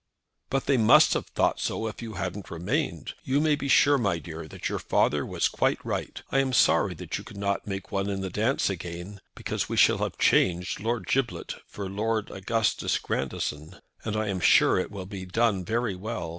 "But they must have thought so if you hadn't remained. You may be sure, my dear, that your father was quite right. I am sorry that you cannot make one in the dance again, because we shall have changed Lord Giblet for Lord Augustus Grandison, and I am sure it will be done very well.